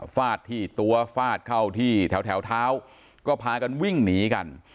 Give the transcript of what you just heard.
ฟาดที่ตัวฟาดเข้าที่แถวเท้าก็พากันวิ่งหนีกัน